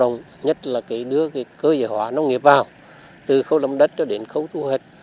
đồng ruộng nhất là đưa cơ giới hóa nông nghiệp vào từ khâu lâm đất đến khâu thu hệt